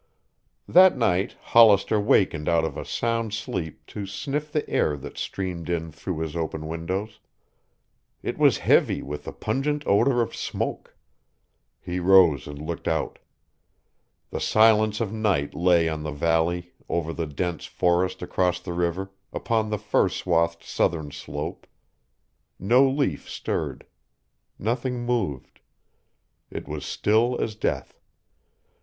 That night Hollister wakened out of a sound sleep to sniff the air that streamed in through his open windows. It was heavy with the pungent odor of smoke. He rose and looked out. The silence of night lay on the valley, over the dense forest across the river, upon the fir swathed southern slope. No leaf stirred. Nothing moved. It was still as death.